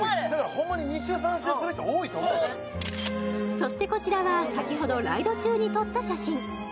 そしてこちらは先ほどライド中に撮った写真